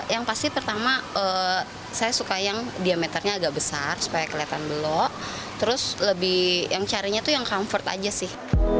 yang pasti pertama saya suka yang diameternya agak besar supaya kelihatan belok terus lebih yang carinya tuh yang comfort aja sih